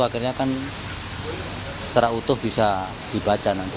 akhirnya kan secara utuh bisa dibaca nanti